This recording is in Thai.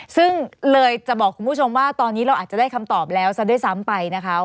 ซึ่งเลยจะบอกคุณผู้ชมว่าตอนนี้เราอาจจะได้คำตอบแล้วซะด้วยซ้ำไปนะคะ